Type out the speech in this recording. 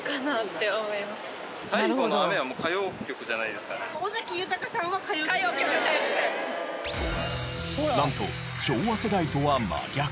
ではなんと昭和世代とは真逆。